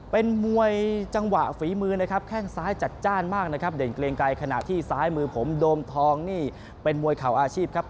เป็นมวยจังหวะฝีมือนะครับแข้งซ้ายจัดจ้านมากนะครับเด่นเกรงไกรขณะที่ซ้ายมือผมโดมทองนี่เป็นมวยเข่าอาชีพครับ